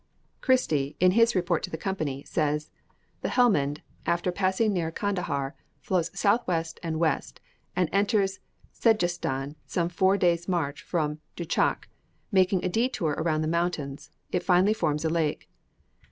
Christie in his report to the Company says: "The Helmend, after passing near Kandahar, flows south west and west, and enters Sedjestan some four days march from Douchak; making a détour around the mountains, it finally forms a lake.